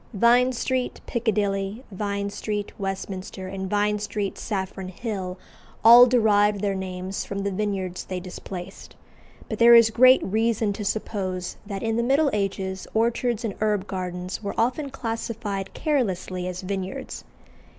Vine Street, Piccadilly, Vine Street, Westminster, and Vine Street, Saffron Hill, all derived their names from the vineyards they displaced; but there is great reason to suppose that in the Middle Ages orchards and herb gardens were often classified carelessly as "vineyards."